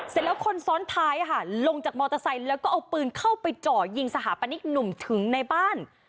เสร็จแล้วคนซ้อนท้ายลงจากมอเตอร์ไซค์แล้วก็เอาปืนเข้าไปเจาะยิงสถาปนิกหนุ่มถึงในบ้าน